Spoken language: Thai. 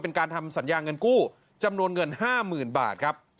เป็นการทำสัญญาเงินกู้จำนวนเงิน๕๐๐๐บาทครับ